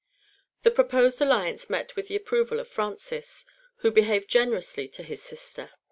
The proposed alliance met with the approval of Francis, who behaved generously to his sister.